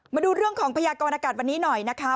มาดูเรื่องของพยากรณากาศวันนี้หน่อยนะคะ